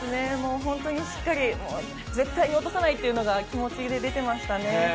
しっかり、絶対に落とせないというのが気持ちで出てましたね。